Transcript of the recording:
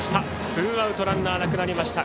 ツーアウトランナーなくなりました。